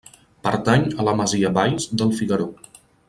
Pertany a la masia Valls del Figaró.